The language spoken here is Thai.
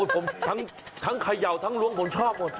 ผมทั้งเขย่าทั้งล้วงผมชอบหมด